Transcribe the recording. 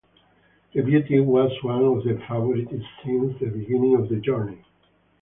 The beauty was one of the favourites since the beginning of the journey.